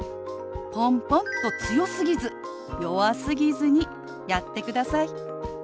ポンポンと強すぎず弱すぎずにやってください。